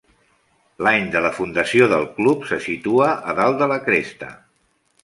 L'any de la fundació del club se situa a dalt de la cresta.